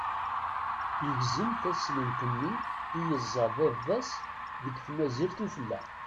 Igzem taslent-nni i yeẓẓa baba-s deg tmazirt ufella.